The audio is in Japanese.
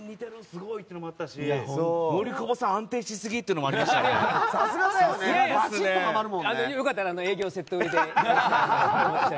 すごいっていうのもあったし森久保さん、安定しすぎっていうのもあったし。